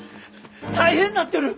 大変なってる！